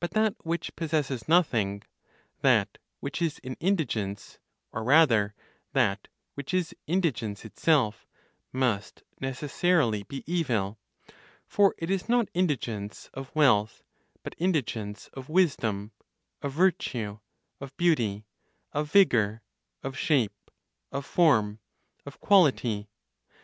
But that which possesses nothing, that which is in indigence, or rather that which is indigence itself, must necessarily be evil; for it is not indigence of wealth, but indigence of wisdom, of virtue, of beauty, of vigor, of shape, of form, of quality.